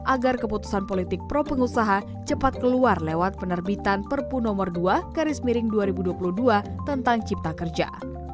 agar keputusan politik pro pengusaha cepat keluar lewat penerbitan perpu nomor dua garis miring dua ribu dua puluh dua tentang cipta kerja